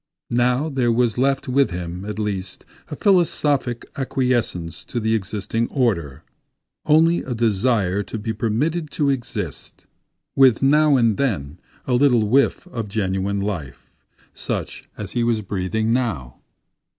Now there was left with him, at least, a philosophic acquiescence to the existing order—only a desire to be permitted to exist, with now and then a little whiff of genuine life, such as he was breathing now.